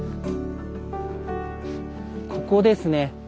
ここですね。